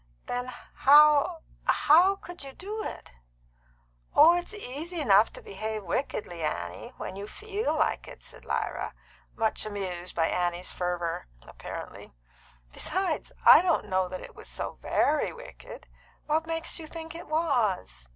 "Then how how could you do it?" "Oh, it's easy enough to behave wickedly, Annie, when you feel like it," said Lyra, much amused by Annie's fervour, apparently. "Besides, I don't know that it was so very wicked. What makes you think it was?"